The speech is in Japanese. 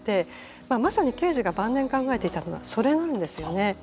まさにケージが晩年考えていたのはそれなんですよね。